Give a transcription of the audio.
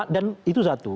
dan itu satu